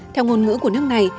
theo ngôn ngữ của nước này